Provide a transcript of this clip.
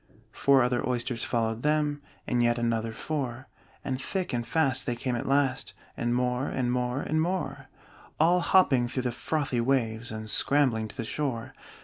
Four other Oysters followed them, And yet another four; And thick and fast they came at last, And more, and more, and more All hopping through the frothy waves, And scrambling to the shore.